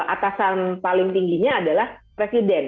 atasan paling tingginya adalah presiden